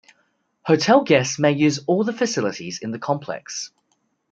Hotel guests may use all the facilities in the complex.